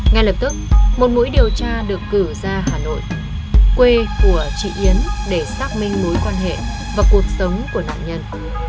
ngay lập tức một mũi điều tra được cử ra hà nội quê của chị yến để xác minh mối quan hệ và cuộc sống của nạn nhân